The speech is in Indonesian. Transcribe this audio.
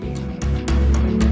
ketua umum pkb